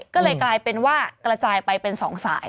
ก็เลยกลายเป็นว่ากระจายไปเป็น๒สาย